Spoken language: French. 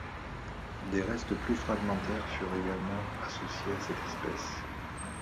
Des restes plus fragmentaires furent également associés à cette espèce.